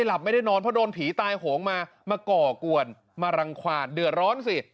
เพราะโดนผีตายโหงมามาก่อกวนมารังขวาดเดือดร้อนสิ